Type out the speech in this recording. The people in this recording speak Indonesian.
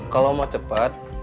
kalau mau cepat